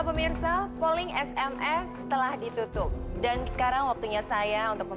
halo selamat malam